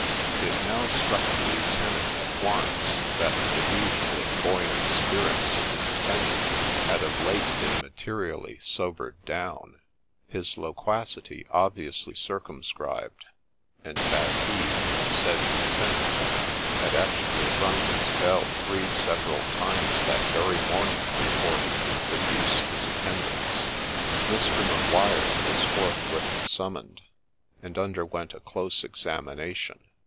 It now struck the lieutenant at once that the usually buoyant spirits of his attendant had of late been materially sobered down, his loquacity obviously circumscribed, and that he, the said lieutenant, had actually rung his bell three several times that very morning before he could procure his attendance. Mr. Maguire was forthwith summoned, and underwent a close examination.